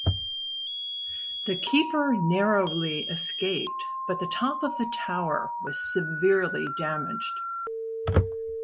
The keeper narrowly escaped but the top of the tower was severely damaged.